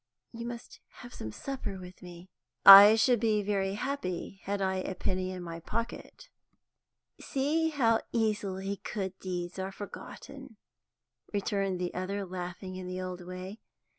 You must have some supper with me." "I should be very happy, had I a penny in my pocket." "See how easily good deeds are forgotten," returned the other, laughing in the old way.